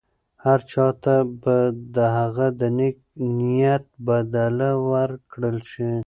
هر چا ته به د هغه د نېک نیت بدله ورکړل شي.